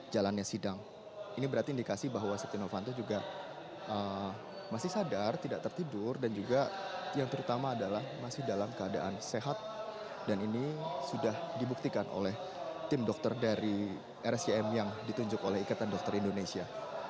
jalannya sidang ini berarti indikasi bahwa setia novanto juga masih sadar tidak tertidur dan juga yang terutama adalah masih dalam keadaan sehat dan ini sudah dibuktikan oleh tim dokter dari rscm yang ditunjuk oleh ikatan dokter indonesia